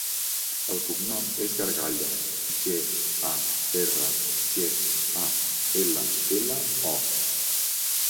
El cognom és Gargallo: ge, a, erra, ge, a, ela, ela, o.